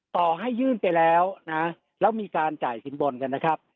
ต่อให้ยื่นไปแล้วนะแล้วมีการจ่ายสินบนกันนะครับ